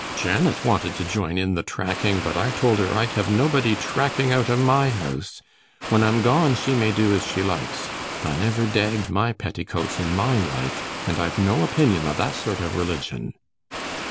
Janet wanted to join in the tracking, but I told her I'd have nobody tracking out o' my house; when I'm gone, she may do as she likes. I never dagged my petticoats in my life, and I've no opinion o' that sort o' religion.